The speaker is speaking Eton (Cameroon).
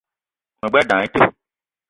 Me gbelé dam le te